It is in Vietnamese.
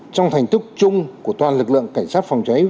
trong thành tích chung của toàn lực lượng cảnh sát phòng cháy